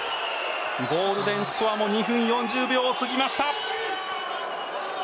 ゴールデンスコアも２分４０秒を過ぎました。